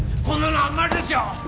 こんなのあんまりですよ！